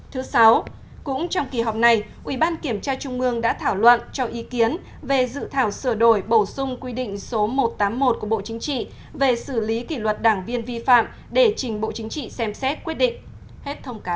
thứ sáu cũng trong kỳ họp này ủy ban kiểm tra trung ương đã thảo luận cho ý kiến về dự thảo sửa đổi bổ sung quy định số một trăm tám mươi một của bộ chính trị về xử lý kỷ luật đảng viên vi phạm để trình bộ chính trị xem xét quyết định